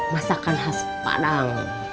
masakan khas padang